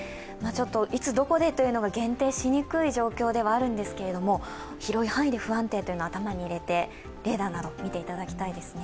いつどこでというのが限定しにくい状況ではあるんですけれども、広い範囲で不安定というのは頭に入れて、レーダーなどを見ていただきたいです。